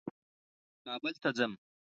کابل ته ځم.